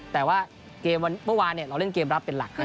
แต่ว่าเกมเมื่อวานเนี่ยเราเล่นเกมรับเป็นหลักนะครับ